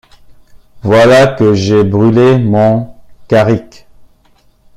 Voilà que j’ai brûlé mon carrick.